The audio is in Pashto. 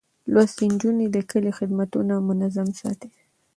لوستې نجونې د کلي خدمتونه منظم ساتي.